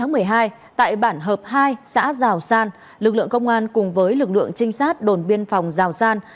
vào chiều tối ngày bốn tháng một mươi hai tại bản hợp hai xã giào san lực lượng công an cùng với lực lượng trinh sát đồn biên phòng giào san